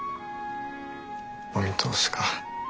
お見通しか。